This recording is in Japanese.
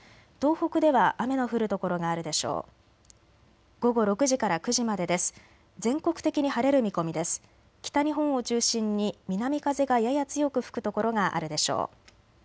北日本を中心に南風がやや強く吹く所があるでしょう。